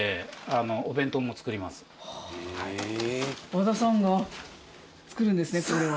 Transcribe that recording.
和田さんが作るんですねそれを。